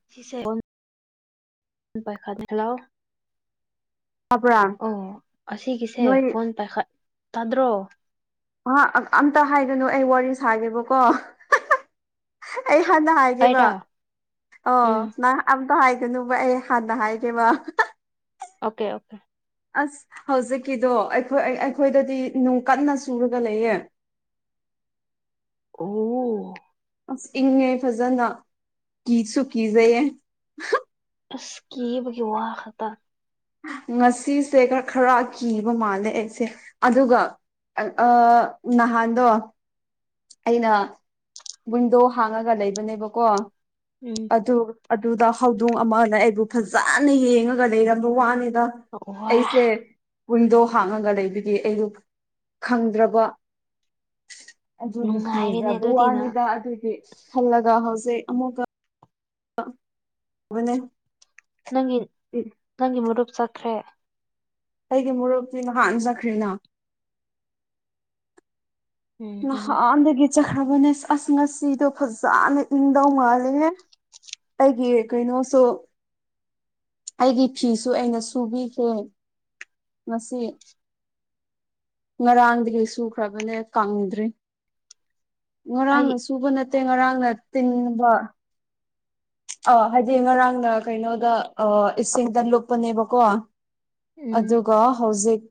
hello ꯇꯥꯕ꯭ꯔꯥ ꯑꯣ ꯑꯁꯤꯒꯤꯁꯦ ꯅꯣꯏ ꯐꯣꯟ ꯄꯥꯏꯈꯠ ꯇꯥꯗ꯭ꯔꯣ ꯑ ꯑꯝ ꯑꯝꯇ ꯍꯥꯏꯒꯅꯨ ꯑꯩ ꯋꯥꯔꯤ ꯁꯥꯒꯦꯕꯀꯣ ꯑꯩ ꯍꯟꯅ ꯍꯥꯏ ꯒ‌ꯦꯕ ꯑꯩꯔꯣ ꯑꯣ ꯎꯝ ꯅꯪ ꯑꯝꯇ ꯍꯥꯏꯒꯅꯨꯕ ꯑꯩ ꯍꯥꯟꯅ ꯍꯥꯏꯒꯦꯕ ꯑꯣꯀꯦ ꯑꯣꯀꯦ ꯑꯁ ꯍꯧꯖꯤꯛꯀꯤꯗꯣ ꯑꯩꯈꯣꯏ ꯑꯩꯈꯣꯏꯗꯗꯤ ꯅꯨꯡ ꯀꯟꯅ ꯁꯨꯔꯒ ꯂꯩꯌꯦ ꯑ‌ꯣ ꯑꯁ ꯏꯪꯉꯦ ꯐꯖꯅ ꯀꯤꯁꯨ ꯀꯤꯖꯩꯌꯦ ꯑꯁ ꯀꯤꯕꯒ‌ꯦ ꯋꯥ ꯈꯇꯥ ꯉꯁꯤꯁꯦ ꯈꯔ ꯀꯤꯕ ꯃꯥꯜꯂꯦ ꯑꯩꯁꯦ ꯑꯗꯨꯒ ꯑ ꯅꯍꯥꯟꯗꯣ ꯑꯩꯅ ꯋꯤꯟꯗꯣ ꯍꯥꯡꯉꯒ ꯂꯩꯕꯅꯦꯕꯀꯣ ꯎꯝ ꯑꯗꯨ ꯑꯗꯨꯗ ꯍꯧꯗꯣꯡ ꯑꯃꯅ ꯑꯩꯕꯨ ꯐꯖꯅ ꯌꯦꯡꯉꯒ ꯂꯩꯔꯝꯕ ꯋꯥꯅꯤꯗ ꯋꯥ ꯑꯩꯁꯦ ꯋꯤꯟꯗꯣ ꯍꯥꯡꯉꯒ ꯂꯩꯕꯤꯒ ꯑꯩꯗꯣ ꯈꯪꯗ꯭ꯔꯕ ꯑꯗꯨꯒꯤ ꯅꯨꯡꯉꯥꯏꯔꯦꯅꯦ ꯀꯤꯖꯕ ꯑꯗꯨꯗꯤ ꯅꯪ ꯋꯥꯅꯤꯗ ꯑꯗꯨꯒꯤ ꯈꯜꯂꯒ ꯍꯧꯖꯤꯛ ꯑꯃꯨꯛꯀ [unintelligible] ꯅꯪꯒꯤ ꯅꯪꯒꯤ ꯃꯔꯨꯞ ꯆꯠꯈ꯭ꯔꯦ ꯑꯩꯒꯤ ꯃꯣꯔꯨꯞꯇꯤ ꯅꯍꯥꯟ ꯆꯠꯈ꯭ꯔ‌ꯦꯅ ꯎꯝ ꯎꯝ ꯅꯍꯥꯟꯗꯒꯤ ꯆꯠꯈ꯭ꯔꯕꯅꯦ ꯑꯁ ꯉꯥꯁꯤꯗꯣ ꯐꯖꯅ ꯏꯪꯗꯧ ꯃꯥꯥꯜꯂ‌ꯦꯍ‌‌ꯦ ꯑꯩꯒꯤ ꯀꯩꯅꯣꯁꯨ ꯑꯩꯒꯤ ꯐꯤꯁꯨ ꯑꯩꯅ ꯁꯨꯕꯤꯈ꯭ꯔꯦ ꯉꯁꯤ ꯉꯔꯥꯡꯗꯒꯤ ꯁꯨꯈ꯭ꯔꯕꯅꯦ ꯀꯪꯗ꯭ꯔꯤ ꯑꯩ ꯉꯔꯥꯡꯅ ꯁꯨꯕ ꯅꯠꯇꯦ ꯉꯔꯥꯡꯅ ꯇꯤꯡꯕ ꯑ ꯍꯥꯏꯗꯤ ꯉꯔꯥꯡꯅ ꯀꯩꯅꯣꯗ ꯑ ꯏꯁꯤꯡꯗ ꯂꯨꯞꯄꯅꯦꯕꯀꯣ ꯎꯝ ꯑꯗꯨꯒ ꯍꯧꯖꯤꯛ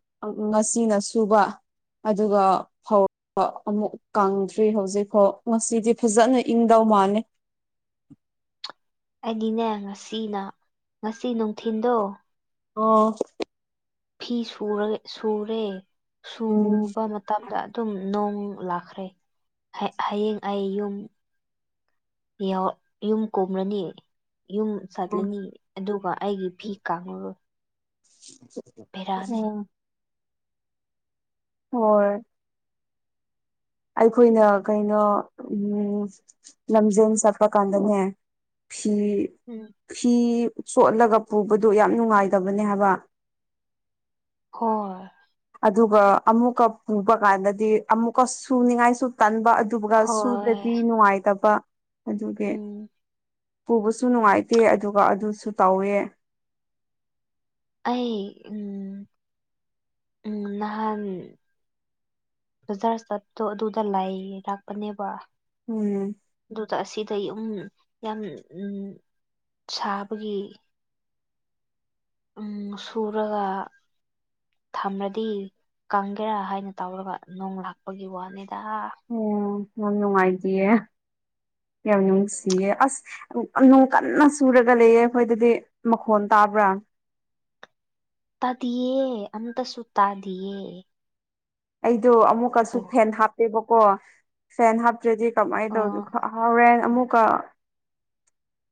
ꯉꯁꯤꯅ ꯁꯨꯕ ꯑꯗꯨꯒ ꯐꯧꯔꯛ ꯄ ꯑꯃꯨꯛ ꯀꯪꯗ꯭ꯔꯤ ꯍꯧꯖꯤꯛꯐꯥꯎ ꯉꯁꯤꯗꯤ ꯐꯖꯅ ꯏꯪꯗꯧ ꯃꯥꯜꯂ‌ꯦ ꯑꯩꯒꯤꯅꯦ ꯉꯁꯤꯅ ꯉꯁꯤ ꯅꯨꯡꯊꯤꯟꯗꯣ ꯑꯣ ꯐꯤ ꯁꯨꯔ ꯁꯨꯔꯦ ꯎꯝ ꯁꯨꯕ ꯇꯝꯗ ꯑꯗꯨꯝ ꯅꯣꯡ ꯂꯥꯛꯈ꯭ꯔꯦ ꯍꯌꯦꯡ ꯑꯩ ꯌꯨꯝ ꯌꯧ ꯌꯨꯝ ꯀꯨꯝ꯭ꯔꯅꯤ ꯌꯨꯝ ꯆꯠꯂꯤꯅꯤ ꯑꯗꯨꯒ ꯑꯩꯒꯤ ꯐꯤ ꯀꯪꯉꯔꯣꯏ ꯕꯦꯔꯥꯅꯤ ꯑꯣ ꯍꯣꯏ ꯑꯩꯈꯣꯏꯅ ꯀꯩꯅꯣ ꯎꯝ ꯂꯝꯖꯦꯟ ꯆꯠꯄ ꯀꯥꯟꯗꯅꯦ ꯐꯤ ꯎꯝ ꯐꯤ ꯆꯣꯠꯂꯒ ꯄꯨꯕꯗꯨ ꯌꯥꯝ ꯅꯨꯡꯉꯥꯏꯇꯕꯅꯦ ꯍꯥꯏꯕ ꯍꯣꯏ ꯑꯗꯨꯒ ꯑꯃꯨꯛꯀ ꯄꯨꯕ ꯀꯥꯟꯗꯗꯤ ꯑꯃꯨꯛꯀ ꯁꯨꯅꯤꯡꯉꯥꯏꯁꯨ ꯇꯟꯕ ꯑꯗꯨꯕꯨꯒ ꯍꯣꯏ ꯁꯨꯗ꯭ꯔꯗꯤ ꯅꯨꯡꯉꯥꯏꯇꯕ ꯑꯗꯨꯒꯤ ꯎꯝ ꯄꯨꯕꯁꯨ ꯅꯨꯡꯉꯥꯏꯇꯦ ꯑꯗꯨꯒ ꯑꯗꯨꯁꯨ ꯇꯧꯋꯦ ꯑꯩ ꯎꯝ ꯎꯝ ꯅꯍꯥꯟ ꯕꯖꯥꯔ ꯆꯠꯇꯣ ꯑꯗꯨꯗ ꯂꯩ ꯂꯥꯛꯄꯅꯦꯕ ꯎꯝ ꯑꯗꯨꯗ ꯑꯁꯤꯗ ꯌꯨꯝ ꯌꯥꯝ ꯁꯥꯕꯒꯤ ꯎꯝ ꯁꯨꯔꯒ ꯊꯝꯂꯗꯤ ꯀꯪꯒꯦꯔꯥ ꯍꯥꯏꯅ ꯇꯧꯔꯒ ꯅꯣꯡ ꯂꯥꯛꯄꯒꯤ ꯋꯥꯅꯤꯗ ꯑꯣ ꯌꯥꯝ ꯅꯨꯡꯉꯥꯏꯇꯤꯌꯦ ꯌꯥꯝ ꯅꯨꯡꯁꯤꯌꯦ ꯑꯁ ꯅꯨꯡ ꯀꯟꯅ ꯆꯨꯔꯒ ꯂꯩꯌꯦ ꯑꯩꯈꯣꯏꯗꯗꯤ ꯃꯈꯣꯟ ꯇꯥꯕ꯭ꯔꯥ ꯇꯥꯗꯤꯌꯦ ꯑꯝꯇꯁꯨꯨ ꯇꯥꯗꯤꯌꯦ ꯑꯩꯗꯣ ꯑꯃꯨꯛꯀꯁꯨ ꯐꯦꯟ ꯍꯥꯞꯄꯦꯕꯀꯣ ꯐꯦꯟ ꯍꯥꯞꯇ꯭ꯔꯗꯤ ꯀꯃꯥꯏꯅ ꯇꯧꯅꯣ ꯑꯣ ꯈ ꯍꯥꯎꯔꯦꯟ ꯑꯃꯨꯛꯀ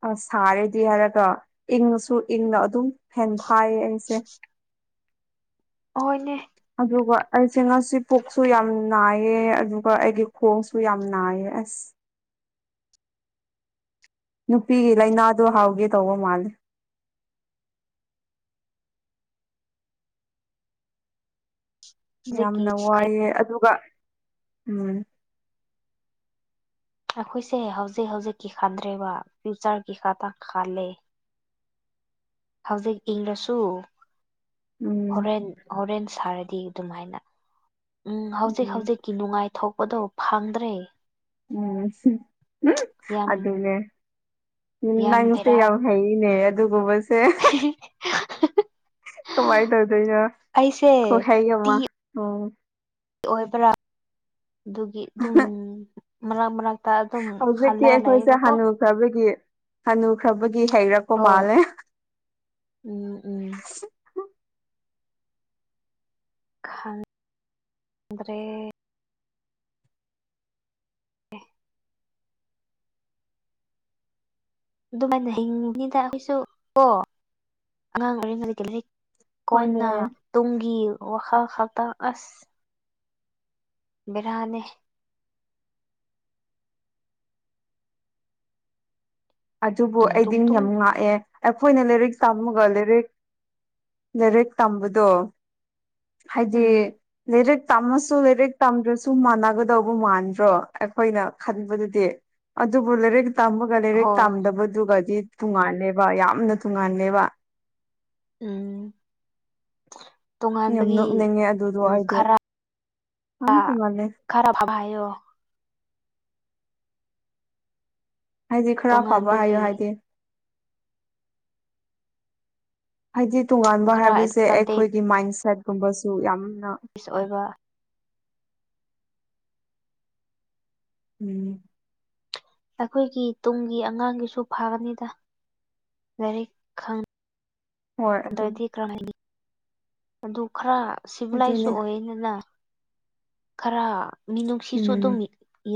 ꯑ ꯁꯥꯔꯦꯗꯤ ꯍꯥꯏꯔꯒ ꯏꯪꯁꯨ ꯏꯪꯅ ꯑꯗꯨꯝ ꯍꯦꯟ ꯊꯥꯏꯌꯦ ꯑꯩꯁꯦ ꯍꯣꯏ ꯅꯦ ꯑꯗꯨꯒ ꯑꯩꯁꯦ ꯉꯁꯤ ꯄꯨꯛꯁꯨ ꯌꯥꯝ ꯅꯥꯏꯌꯦ ꯑꯗꯨꯒ ꯑꯩꯒꯤ ꯈꯣꯡꯁꯨ ꯌꯥꯝ ꯅꯥꯏꯌꯦ ꯑꯁ ꯅꯨꯄꯤꯒꯤ ꯂꯥꯏꯅꯥꯗꯣ ꯍꯥꯎꯒꯦ ꯇꯧꯕ ꯃꯥꯜꯂꯦ ꯍꯧꯖꯤꯛꯀꯤ ꯌꯥꯝꯅ ꯋꯥꯏꯑꯦ ꯑꯗꯨꯒ ꯎꯝ ꯑꯩꯈꯣꯏꯁꯦ ꯍꯧꯖꯤꯛ ꯍꯧꯖꯤꯛꯀꯤ ꯈꯟꯗ꯭ꯔꯦꯕ ꯏꯟꯆꯥꯔꯀꯤ ꯈꯛꯇꯪ ꯈꯜꯂꯦ ꯍꯧꯖꯤꯛ ꯏꯔꯁꯨ ꯎꯝ ꯍꯣꯔꯦꯟ ꯍꯣꯔꯦꯟ ꯁꯥꯔꯗꯤ ꯑꯗꯨꯃꯥꯏꯅ ꯎꯝ ꯍꯧꯖꯤꯛ ꯍꯧꯖꯤꯛ ꯀꯤ ꯅꯨꯡꯉꯥꯏꯊꯣꯛꯄꯗꫭ ꯐꯪꯗ꯭ꯔꯦ ꯎꯝ ꯍꯝ ꯍꯝ ꯌꯥꯝ ꯑꯗꯨꯅꯦ ꯎꯝ ꯌꯥꯝ ꯅꯪꯁꯦ ꯕꯦꯔꯥ ꯌꯥꯝ ꯍꯩꯅꯦ ꯑꯗꯨꯒꯨꯝꯕꯁꯦ ꯎ [unintelligible] [unintelligible] ꯀꯃꯥꯏ ꯇꯧꯗꫭꯏꯅꫭ ꯑꯩꯁꯦ ꯈꯨꯍꯩ ꯑꯃ ꯎꯝ ꯑꯣꯏꯕ꯭ꯔꯥ ꯑꯗꯨꯒꯤ ꯑꯗꯨꯝ ꯃꯔꯛ ꯃꯔꯛ ꯇ ꯑꯗꯨꯝ ꯈꯜꯂꯒ ꯂꯩꯑꯦꯕꯀꯣ ꯈ꯭ꯔꯕꯒꯤ ꯍꯅꯨ ꯈ꯭ꯔꯕꯒꯤ ꯍꯩꯔꯛ ꯍꯣꯏ ꯎꯝ ꯎꯝ ꯈꯡ ꯗ꯭ꯔꯦ ꯑꯦ ꯑꯗꯨꯃꯥꯏꯅ ꯍꯤꯡꯅꯤꯗ ꯑꯩꯈꯣꯏꯁꯨ ꯀꯣ ꯑꯉꯥꯡ ꯑꯣꯏꯔꯤꯉꯩꯗ ꯂꯩ ꯍꯣꯏꯅꯦ ꯀꫭꯟꯅ ꯇꯨꯡꯒꯤ ꯋꯥꯈꯜ ꯈꯛꯇꯡ ꯑꯁ ꯕꯦꯔꯥꯅꯦ ꯑꯗꯨꯕꯨ ꯇꯨꯡ ꯑꯩꯗꯤ ꯇꯨꯡ ꯇꯨꯡ ꯃꯤꯌꯥꯝ ꯉꯥꯛꯑꯦ ꯑꯩꯈꯣꯏꯅ ꯂꯥꯏꯔꯤꯛ ꯇꯝꯃꯒ ꯂꯥꯏꯔꯤꯛ ꯂꯥꯏꯔꯤꯛ ꯇꯝꯕꯗꯣ ꯍꯥꯏꯗꯤ ꯎꯝ ꯂꯥꯏꯔꯤꯛ ꯇꯝꯃꯁꯨ ꯂꯥꯏꯔꯤꯛ ꯇꯝꯗ꯭ꯔꯁꯨ ꯃꯥꯟꯅꯒꯗꯧꯕ ꯃꯥꯟꯗ꯭ꯔꯣ ꯑꯩꯈꯣꯏꯅ ꯈꯟꯕꯗꯗꯤ ꯑꯗꯨꯕꯨ ꯂꯩꯔꯤꯛ ꯇꯝꯕꯒ ꯂꯩꯔꯤꯛ ꯍꯣꯏ ꯗꯨꯒꯗꯤ ꯇꯣꯉꯥꯟꯂꯦꯕ ꯌꯥꯝꯅ ꯇꫭꯉꯥꯟꯂꯦꯕ ꯎꯝ ꯌꯥꯝ ꯇꯣꯉꯥꯟꯕꯒꯤ ꯅꯣꯛꯅꯤꯡꯉꯦ ꯑꯗꯨꯗꯣ ꯍꯝ ꯑꯩꯗꯤ ꯈꯔ ꯌꯥꯝ ꯇꯣꯡꯉꯥꯜꯂꯦ ꯈꯔ ꯍꯥꯚꯥ ꯍꯥꯏꯌꫭ ꯍꯥꯏꯗꯤ ꯈꯔ ꯐꯕ ꯇꯣꯉꯥꯟꯕꯒꯤ ꯍꯥꯏꯌꯣ ꯍꯥꯏꯗꯤ ꯍꯥꯏꯗꯤ ꯇꯣꯉꯥꯟꯕ ꯈꯔ ꯍꯥꯏꯕꯁꯦ ꯑꯦꯗꯚꯥꯟꯇꯦꯖ ꯑꯩꯈꯣꯏꯒꯤ ꯃꯥꯏꯟ ꯁꯦꯠꯀꯨꯝꯕꯁꯨ ꯌꯥꯝꯅ ꯄꯤꯁ ꯑꯣꯏꯕ ꯎꯝ ꯑꯩꯈꯣꯏꯒꯤ ꯇꯨꯡꯒꯤ ꯑꯉꯥꯡꯒꯤꯁꯨ ꯐꯥꯒꯅꯤꯗ ꯂꯥꯏꯔꯤꯛ ꯈꯡ ꯍꯣꯏ ꯑꯗꯨ ꯈꯔ ꯍꯥꯏꯅꯤ ꯑꯗꯨ ꯈꯔ ꯁꯤꯚꯤꯂꯥꯏꯁ ꯑꯗꯨꯅꯦ ꯑꯣꯏ ꯗꯅ ꯈꯔ ꯃꯤꯅꯨꯡꯁꯤꯁꯨ ꯑꯗꯨꯝ ꯎꯝ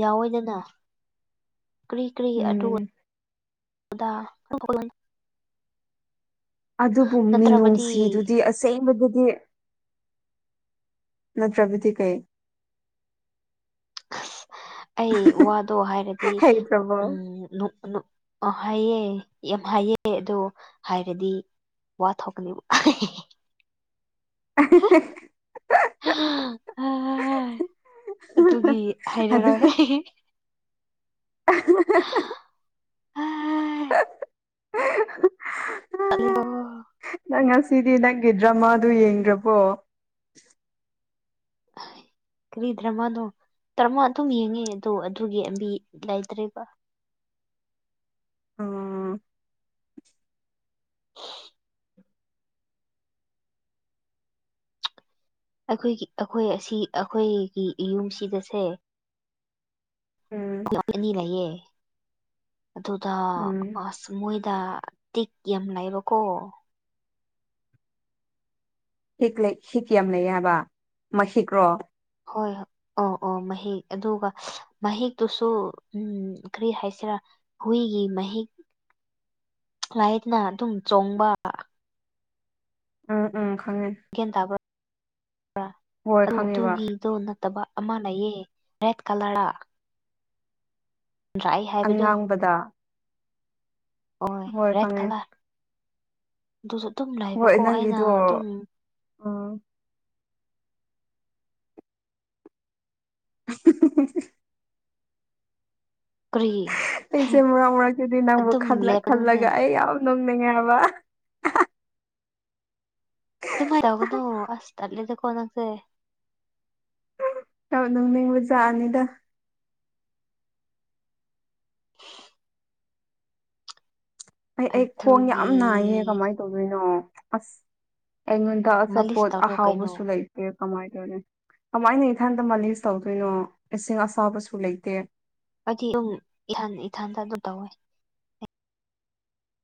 ꯌꯥꯎꯏꯗꯅ ꯀ꯭ꯔꯤ ꯀ꯭ꯔꯤ ꯑꯗꯨ ꯎꯝ ꯑꯣꯗ [unintelligible] ꯑꯗꯨꯕꯨ ꯅꯠꯇ꯭ꯔꯕꯗꯤ ꯃꯤꯅꯨꯡꯁꯤꯗꯨꯗꯤ ꯑꯁꯦꯡꯕꯗꯗꯤ ꯅꯠꯇ꯭ꯔꯕꯗꯤ ꯀꯩ ꯑꯁ ꯑꯩ ꯋꯥꯗꯣ ꯍꯥꯏꯔꯗꯤ ꯍꯩꯇ꯭ꯔꯕꯣ ꯎꯝ ꯅꯨꯛ ꯅꯨꯛ ꯑ ꯍꯥꯏꯑꯦ ꯌꯥꯝ ꯍꯥꯏꯑꯦ ꯑꯗꯣ ꯍꯥꯏꯔꯗꯤ ꯋꯥ ꯊꯣꯛꯀꯅꯦꯕ ꯑꯍꯥ ꯍꯥ ꯍꯥꯏ ꯑꯗꯨꯒꯤ ꯑꯗꯨ ꯍꯥꯏꯔꯔꯣꯏ ꯑꯩ [unintelligible] ꯍꯥꯏ ꯇꯠꯂꯦꯍꯣ ꯅꯪ ꯉꯁꯤꯗꯤ ꯅꯪꯒꯤ ꯗ꯭ꯔꯃꯥꯗꯨ ꯌꯦꯡꯗ꯭ꯔꯕꯣ ꯑꯥꯏ ꯀꯔꯤ ꯗ꯭ꯔꯃꯥꯅꫭ ꯇ꯭ꯔꯃꯥ ꯑꯗꯨꯝ ꯌꯦꯡꯉꯦ ꯑꯗꯣ ꯑꯗꯨꯒꯤ ꯑꯦꯝꯕꯤ ꯂꯩꯇ꯭ꯔꯦꯕ ꯑꯣ [unintelligible] ꯑꯩꯈꯣꯏꯒꯤ ꯑꯩꯈꯣꯏ ꯑꯁꯤ ꯑꯩꯈꯣꯏꯒꯤ ꯏꯌꯨꯝꯁꯤꯗꯁꯦ ꯎꯝ ꯑꯅꯤ ꯂꯩꯌꯦ ꯑꯗꯨꯗ ꯎꯝ ꯑꯁ ꯃꯣꯏꯗ ꯇꯤꯛ ꯌꯥꯝ ꯂꯩꯥꯕꯀꯣ ꯍꯤꯛ ꯂꯩ ꯍꯤꯛ ꯌꯥꯝ ꯂꯩ ꯍꯥꯏꯕ ꯃꯍꯤꯛꯔꯣ ꯍꯣꯏ ꯍꯣ ꯑꯣ ꯑꯣ ꯃꯍꯤꯛ ꯑꯗꯨꯒ ꯃꯍꯤꯛꯇꯨꯁꯨ ꯎꯝ ꯀꯔꯤ ꯍꯥꯏꯁꯤꯔꯥ ꯍꯨꯏꯒꯤ ꯃꯍꯤꯛ ꯂꯥꯏꯌꯦꯗꯅ ꯑꯗꯨꯝ ꯆꯣꯡꯕ ꯎꯝ ꯎꯝ ꯈꯪꯉꯦ ꯒ꯭ꯌꯥꯟ ꯇꯥꯕ꯭ꯔꯥ ꯔꯥ ꯍꯣꯏ ꯑꯗꯨ ꯈꯪꯉꯦꯕ ꯑꯗꯨꯒꯤꯗꯣ ꯅꯠꯇꯕ ꯑꯃ ꯂꯩꯌꯦ ꯔꯦꯠ ꯀꯂ꯭ꯔꯂ ꯑꯉꯥꯡꯕꯗ ꯑꯣꯏ ꯍꯣꯏ ꯔꯦꯠ ꯈꯪꯉꯦ ꯀꯂ꯭ꯔ ꯑꯗꯨꯁꯨ ꯑꯗꯨꯝ ꯂꯩꯕꯀꯣ ꯑꯩꯅ ꯑꯗꯨꯝ ꯑꯣ ꯀꯔꯤ ꯑꯩꯁꯦ ꯃꯔꯛ ꯃꯔꯛꯇꯗꯤ ꯅꯪꯕꯨ ꯑꯗꯨꯝ ꯈꯜꯂ ꯂꯦꯞꯄꯅꯨꯅꯦ ꯈꯜꯂꯒ ꯑꯩ ꯌꯥꯝ ꯅꯣꯛꯅꯤꯡꯉꯦ ꯍꯥꯏꯕ ꯑꯗꯨꯨꯃꯥꯏ ꯇꯧꯒꯅꯨ ꯑꯁ ꯇꯟꯂꯤꯗꯀꯣ ꯅꯪꯁꯦ ꯌꯥꯝ ꯅꯣꯅꯤꯡꯕꯖꯥꯠꯅꯤꯗ ꯑꯩ ꯑꯩ ꯈꯣꯡ ꯑꯗꯨꯒꯤ ꯌꯥꯝ ꯅꯥꯏꯌꯦ ꯀꯃꯥꯏ ꯇꯧꯗꯣꯏꯅꯣ ꯑꯁ ꯑꯩꯉꯣꯟ ꯇ ꯃꯥꯂꯤꯁ ꯑꯆꯥꯄꯣꯠ ꯇꯧꯔꯣ ꯀꯩꯅꯣ ꯑꯍꯥꯎꯕꯁꯨ ꯂꯩ ꯑꯦ ꯀꯃꯥꯏ ꯇꯧꯗꯣꯏꯅꯤ ꯀꯃꯥꯏꯅ ꯏꯊꯟꯇ ꯃꯥꯂꯤꯁ ꯇꯧꯗꯣꯏꯅꯣ ꯏꯁꯤꯡ ꯑꯁꯥꯕꯁꯨ ꯂꯩꯇꯦ ꯍꯥꯏꯗꯤ ꯑꯗꯨꯝ ꯏꯊꯟ ꯏꯊꯟꯇ ꯑꯗꯨꯝ ꯇꯧꯋꯦ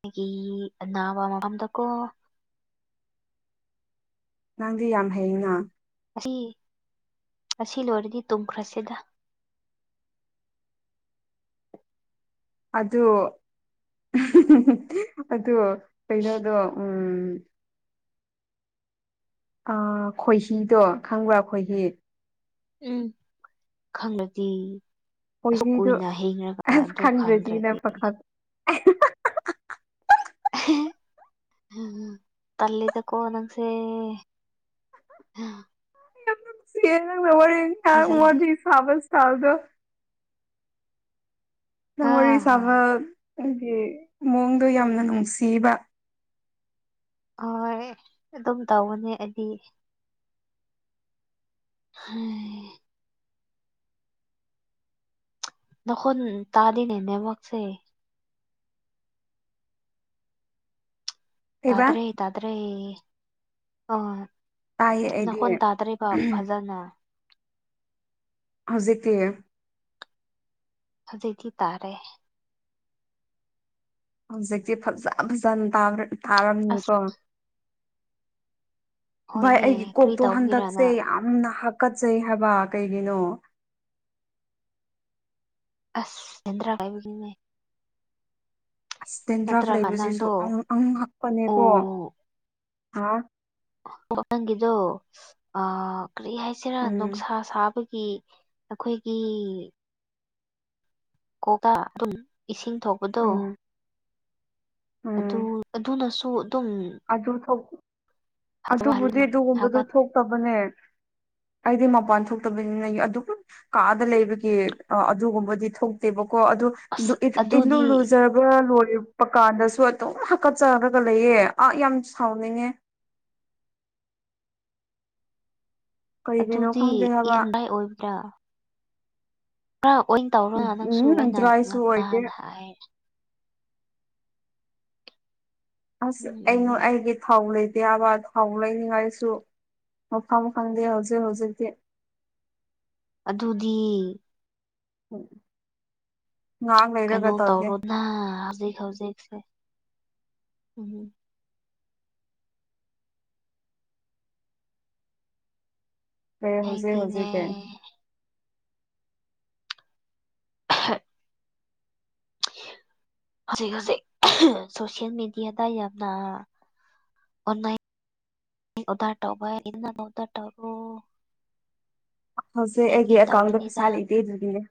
ꯑꯩꯒꯤ ꯑꯅꯥꯕ ꯃꯐꯝꯗꯀꯣ ꯅꯪꯗꯤ ꯌꯥꯝ ꯍꯩꯅꯥ ꯑꯁꯤ ꯑꯁꯤ ꯂꯣꯏꯔꯗꯤ ꯇꯨꯝꯈ꯭ꯔꯁꯤꯗ ꯑꯗꯨ ꯑꯗꯨ ꯀꯩꯅꯣꯗꯣ ꯎꯝ ꯑ ꯈꯣꯏꯍꯤꯗꯣ ꯈꯪꯕ꯭ꯔꯥ ꯈꯣꯏꯍꯤ ꯎꯝ ꯈꯪꯔꯗꯤ ꯑꯁꯨꯛ ꯈꯣꯏꯍꯤꯗꯣ ꯀꯨꯏꯅ ꯍꯤꯡꯔꯒ ꯑꯁ ꯑꯗꯨ ꯈꯪꯗ꯭ꯔꯗꯤ ꯅꯪ ꯄꯥꯈꯠ ꯇꯜꯂꯤꯗꯀꯣ ꯅꯪꯁꯦ ꯑ ꯌꯥꯝ ꯅꯨꯡꯁꯤꯌꯦ ꯅꯪꯅ ꯋꯥꯔꯤ ꯉꯥꯡ ꯀꯤꯖꯩ ꯋꯥꯔꯤ ꯁꯥꯕ ꯁꯥꯕꯗꯣ ꯍꯥ ꯅꯪ ꯋꯥꯔꯤ ꯁꯥꯕ ꯑꯩꯗꯤ ꯃꯑꯣꯡꯗꯣ ꯌꯥꯝꯅ ꯅꯨꯡꯁꯤꯕ ꯍꯣꯏ ꯑꯗꯨꯝ ꯇꯧꯕꯅꯦ ꯑꯩꯗꯤ ꯍꯥꯏ ꯅꯈꯣꯟ ꯇꯥꯗꯦꯅꯦ ꯅꯦꯠꯋꯥꯛꯁꯦ ꯀꯩꯕ ꯇꯥꯗ꯭ꯔꯦ ꯇꯥꯗ꯭ꯔꯦ ꯑꯣ ꯇꯥꯏꯌꯦ ꯑꯩꯗꯤ ꯅꯥꯈꯣꯟ ꯇꯥꯗ꯭ꯔꯦꯕ ꯐꯖꯅ ꯍꯧꯖꯤꯛꯇꯤ ꯍꯧꯖꯤꯛꯇꯤ ꯇꯥꯔꯦ ꯍꯧꯖꯤꯛꯇꯤ ꯐꯖ ꯐꯖꯅ ꯇꯥꯕ꯭ꯔꯠ ꯑꯁ ꯇꯥꯔꯝꯅꯤꯀꯣ ꯚꯥꯏ ꯍꯣꯏꯅꯦ ꯑꯩꯒꯤ ꯀꯔꯤ ꯀꯣꯛꯇꯣ ꯇꯧꯕꯒꯤꯔꯅ ꯍꯟꯗꯛꯁꯦ ꯌꯥꯝꯅ ꯍꯥꯒꯠꯆꯩ ꯍꯥꯏꯕ ꯀꯩꯒꯤꯅꯣ ꯑꯁ ꯆꯦꯗ꯭ꯔꯥ ꯀꯥꯏꯕꯒꯤꯅꯦ ꯑꯁ ꯇꯦꯟꯗ꯭ꯔꯥꯐ ꯅꯠꯇ꯭ꯔꯒ ꯂꯩꯕꯁꯤꯁꯨ ꯅꯪꯗꯣ ꯑꯉꯛ ꯑꯉꯛꯄꯅꯦꯀꯣ ꯑꯣ ꯍꯥ ꯅꯪꯒꯤꯗꯣ ꯑꯥ ꯀ꯭ꯔꯤ ꯍꯥꯏꯁꯤꯔꯥ ꯎꯝ ꯅꯨꯡꯁꯥ ꯁꯥꯕꯒꯤ ꯑꯩꯈꯣꯏꯒꯤ ꯀꯣꯛꯇꯥ ꯑꯗꯨꯝ ꯏꯁꯤꯡ ꯊꯣꯛꯄꯗꯣ ꯎꯝ ꯑꯗꯨ ꯑꯗꯨꯅꯁꯨ ꯑꯗꯨꯝ ꯑꯗꯨꯗꯣ ꯑꯗꯨꯕꯨꯗꯤ ꯍꯥꯒꯠꯍꯜꯂꯤꯅ ꯑꯗꯨꯒꯨꯝꯕꯗꯨ ꯍꯥꯒꯠ ꯊꯣꯛꯇꯕꯅꯦ ꯑꯩꯗꯤ ꯃꯄꯥꯟ ꯊꯣꯛꯇꯕꯅꯤꯅ ꯑꯗꯨ ꯀꯥꯗ ꯂꯩꯕꯒꯤ ꯑ ꯑꯗꯨꯒꯨꯝꯕꯗꯤ ꯊꯣꯛꯇꯦꯕꯀꯣ ꯑꯗꯨ ꯑꯁ ꯏꯂꯨ ꯑꯗꯨꯗꯤ ꯂꯨꯖ ꯂꯣꯏꯔꯛꯄ ꯀꯥꯟꯗꯁꯨ ꯑꯗꯨꯝ ꯍꯥꯀꯠꯆꯔꯒ ꯂꯩꯌꯦꯦ ꯑꯥ ꯌꯥꯝ ꯁꯥꯎꯅꯤꯡꯉꯦ ꯀꯔꯤꯒꯤꯅꯣ ꯑꯗꯨꯗꯤ ꯈꯪꯗꯦ ꯍꯥꯏꯕ ꯏꯔꯝꯗꯥꯏ ꯑꯣꯏꯕ꯭ꯔꯥ ꯈꯔ ꯑꯣꯏꯅ ꯇꯧꯔꯣ ꯅꯪꯁꯨ ꯑ ꯎꯝ ꯉꯅ ꯗ꯭ꯔꯥꯏꯁꯨ ꯑꯣꯏꯗꯦ ꯍꯥꯏꯦ ꯑꯁ ꯑꯩꯩꯅ ꯎꯝ ꯑꯩꯒꯤ ꯊꯥꯎ ꯂꯩꯇꯦ ꯌꯥꯕ ꯊꯥꯎ ꯂꯩꯅꯤꯡꯉꯥꯏꯁꯨ ꯃꯐꯝ ꯈꯪꯗꯦ ꯍꯧꯖꯤꯛ ꯍꯧꯖꯤꯛꯇꯤ ꯑꯗꯨꯗꯤ ꯎꯝ ꯀꯩꯅꯣ ꯇꯧꯒꯦ ꯇꯧꯔꯣ ꯅ ꯍꯧꯖꯤꯛ ꯍꯧꯖꯤꯛꯁꯦ ꯎꯝ ꯍ ꯍꯧꯖꯤꯛ ꯍꯧꯖꯤꯦ ꯍꯥꯏꯗꯤꯅꯦ ꯀꯦ ꯍ ꯍꯧꯖꯤꯛ ꯍꯧꯖꯤꯛ ꯁꯣꯁꯤꯜ ꯃꯦꯗꯤꯌꯥꯗ ꯌꯥꯝꯅ ꯑꯣ ꯑꯣꯗꯇꯕ ꯏ ꯅꯪ ꯑꯣꯗꯇꯧꯔ ꯍꯧꯖꯤꯛ ꯑꯩꯒꯤ ꯑꯦꯀꯥꯎꯟꯗ ꯇꯧꯕꯅꯤꯗ ꯄꯩꯁꯥ ꯂꯩꯇꯦ ꯑꯗꯨꯒꯤꯅꯦ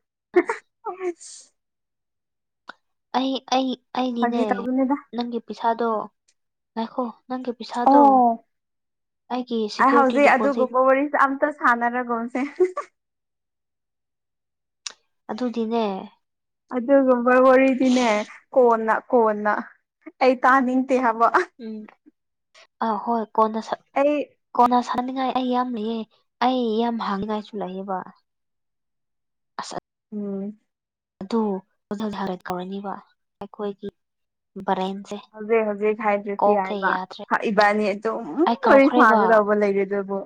ꯑꯩ ꯑꯩ ꯑꯩꯅꯤꯅꯦ ꯐꯥꯒꯤ ꯇꯧꯕꯅꯤꯗ ꯅꯪꯒꯤ ꯄꯩꯁꯥꯗꯣ ꯉꯥꯏꯈꯣ ꯅꯪꯒꯤ ꯄꯩꯁꯥꯗꯣ ꯑꯣ ꯑꯩꯒꯤ ꯑꯩ ꯁꯦꯀ꯭ꯌꯨꯔꯤꯇꯤ ꯍꯧꯖꯩ ꯗꯤꯄꯣꯖꯤꯠ ꯑꯗꯨꯒꯨꯝꯕ ꯋꯥꯔꯤꯁꯦ ꯑꯇ ꯊꯂ ꯔꯒꯣꯁꯦ ꯑꯗꯨꯗꯤꯅꯦ ꯑꯗꯨꯒꯨꯝꯕ ꯋꯥꯔꯤꯗꯤꯅꯦ ꯀꯣꯟꯅ ꯀꯣꯟꯅ ꯑꯩ ꯇꯥꯅꯤꯡꯗꯦ ꯍꯥꯏꯕ ꯎꯝ ꯑꯥ ꯍꯣꯏ ꯀꯣꯟꯅ ꯁꯛꯂ ꯑꯩ ꯀꯣꯟꯅ ꯁꯥꯟꯅꯅꯤꯡꯉꯥꯏ ꯑꯩ ꯌꯥꯝ ꯂꯩꯌꯦ ꯑꯩ ꯌꯥꯝ ꯍꯥꯡꯉꯥꯏꯁꯨ ꯂꯩꯌꯦꯕ ꯑꯁ ꯎꯝ ꯑꯗꯨ ꯑꯣꯙꯜ ꯊꯥꯔꯠ ꯀꯧꯔꯅꯤꯕ ꯑꯩꯈꯣꯏꯒꯤ ꯕꯔꯦꯟꯁꯦ ꯍꯧꯖꯤꯛ ꯍꯧꯖꯤꯛ ꯈꯥꯏꯗ꯭ꯔꯤꯁꯤ ꯀꯣꯛꯁꯦ ꯌꯥꯃ ꯌꯥꯗ꯭ꯔꯦ ꯏꯕꯥꯅꯤ ꯑꯗꯨꯝ ꯑꯩ ꯋꯥꯔꯤ ꯀꯥꯎꯈ꯭ꯔꯦꯕ ꯁꯥꯒꯗꯧꯕ ꯂꯩꯔꯦ ꯑꯗꯨꯕꯨ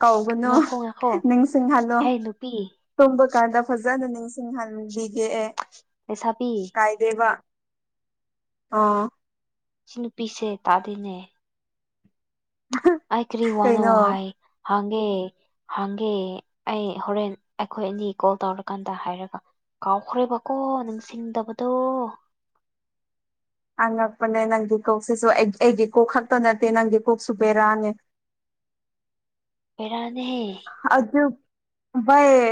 ꯀꯧꯕꯅꯨ ꯉꯥꯏꯈꯣ ꯉꯥꯏꯈꯣ ꯅꯤꯡꯁꯤꯡꯍꯜꯂꯣ ꯍꯦ ꯅꯨꯄꯤ ꯇꯨꯝꯕ ꯀꯥꯟꯗ ꯐꯖꯅ ꯅꯤꯡꯁꯤꯡꯍꯟꯕꯤꯒꯦ ꯑꯦ ꯑꯦꯁꯥꯕꯤꯤ ꯀꯥꯏꯗꯦꯕ ꯑꯣ ꯆꯅꯨ ꯄꯤꯁꯦ ꯇꯥꯗꯤꯅꯦ ꯑꯥꯏ ꯀꯔꯤ ꯋꯥꯅꯣ ꯀꯩꯅꯣ ꯍꯥꯏ ꯍꯥꯡꯒꯦ ꯍꯥꯡꯒꯦ ꯑꯩ ꯍꯣꯔꯦꯟ ꯑꯩꯈꯣꯏ ꯑꯅꯤ ꯀꯣꯜ ꯇꯧꯔꯀꯥꯟꯗ ꯍꯥꯏꯔꯒ ꯀꯥꯎꯈ꯭ꯔꯦꯕꯀꯣ ꯅꯤꯡꯁꯤꯡꯗꯕꯗꯣ ꯑꯉꯛꯄꯅꯦ ꯅꯪꯒꯤ ꯀꯣꯛꯁꯤꯁꯨ ꯑꯩ ꯑꯩꯒꯤ ꯀꯣꯛ ꯈꯛꯇ ꯅꯠꯇꯦ ꯅꯪꯒꯤ ꯀꯣꯛ ꯁꯨ ꯕꯦꯔꯥꯅꯦ ꯄꯦꯔꯅꯤ ꯑꯗꯨ ꯑꯗꯨ ꯣꯏ